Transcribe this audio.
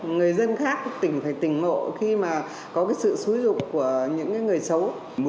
người dân khác phải tỉnh mộ khi mà có sự sử dụng của những người xấu